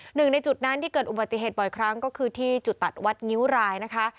หนึ่งในจุดนั้นที่เกิดอุบัติเหตุบ่อยครั้งก็คือที่จุดตัดวัดงิ้วรายนะคะ